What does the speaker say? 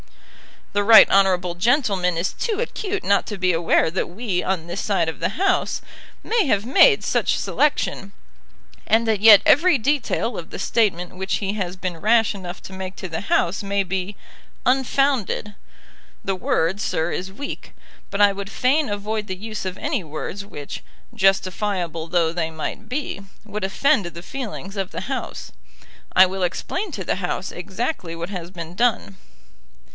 "The right honourable gentleman is too acute not to be aware that we on this side of the House may have made such selection, and that yet every detail of the statement which he has been rash enough to make to the House may be unfounded. The word, sir, is weak; but I would fain avoid the use of any words which, justifiable though they might be, would offend the feelings of the House. I will explain to the House exactly what has been done."